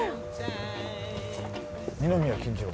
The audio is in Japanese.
二宮金次郎。